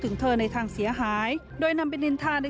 มันเธอเคลียร์บรัศนากาล